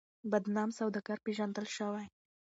بدنام سوداگر پېژندل شوی.